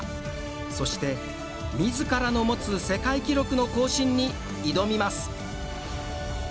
そして、みずからの持つ世界記録の更新に挑みます。